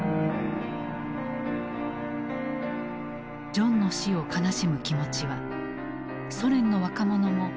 ジョンの死を悲しむ気持ちはソ連の若者も同じだった。